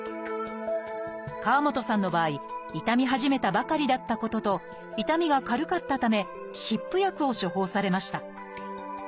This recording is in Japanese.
河本さんの場合痛み始めたばかりだったことと痛みが軽かったため湿布薬を処方されました。